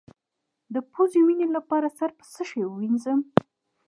د پوزې وینې لپاره سر په څه شي ووینځم؟